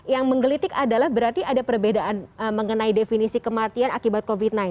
yang menggelitik adalah berarti ada perbedaan mengenai definisi kematian akibat covid sembilan belas